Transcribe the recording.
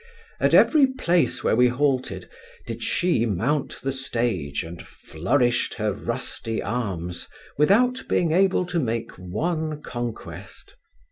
At every place where we halted, did she mount the stage, and flourished her rusty arms, without being able to make one conquest.